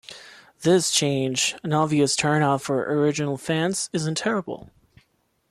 This change, an obvious turnoff for original fans, isn't terrible.